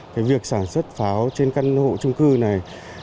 cái việc sản xuất pháo trên căn hộ trung cư này